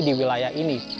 di wilayah ini